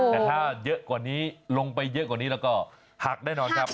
แต่ถ้าเยอะกว่านี้ลงไปเยอะกว่านี้แล้วก็หักแน่นอนครับ